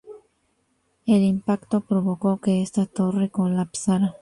El impacto provocó que esta torre colapsara.